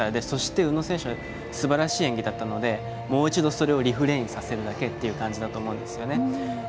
そして、宇野選手はすばらしい演技だったのでもう一度、それをリフレインさせるだけっていう感じだと思いますよね。